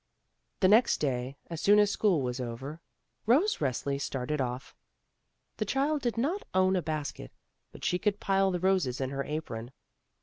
The next day, as soon as school was over, Rose Resli started off. The child did not own a basket, but she could pUe the roses in her apron.